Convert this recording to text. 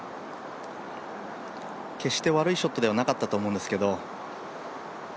決して悪いショットではなかったと思うんですけど。